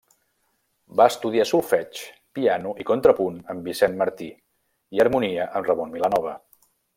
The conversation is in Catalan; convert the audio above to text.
Va estudiar solfeig, piano i contrapunt amb Vicent Martí, i harmonia amb Ramon Vilanova.